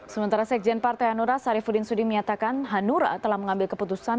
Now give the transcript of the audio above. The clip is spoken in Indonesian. sementara sekjen partai hanura sarifudin sudi menyatakan hanura telah mengambil keputusan